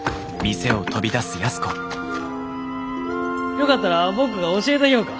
よかったら僕が教えたぎょうか。